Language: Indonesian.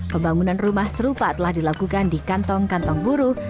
pembangunan rumah serupa telah dilakukan di kantong kantong buruh